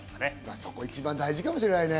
そこ一番大事かもしれないね。